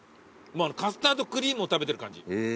もうカスタードクリームを食べてる感じ。